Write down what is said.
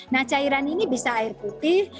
nah cairan ini bisa air putih